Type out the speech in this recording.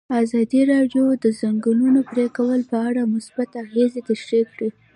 ازادي راډیو د د ځنګلونو پرېکول په اړه مثبت اغېزې تشریح کړي.